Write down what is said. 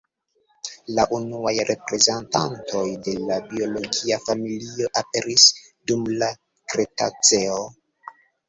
La unuaj reprezentantoj de la biologia familio aperis dum la kretaceo.